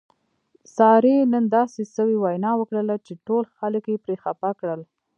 سارې نن داسې سوې وینا وکړله چې ټول خلک یې پرې خپه کړل.